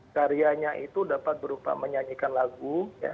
karyanya itu dapat berupa menyanyikan lagu